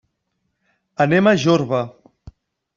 Anem a Jorba.